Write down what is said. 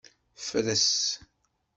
Fres.